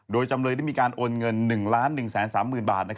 โดยจำเลยได้มีการโอนเงิน๑๑๓๐๐๐บาท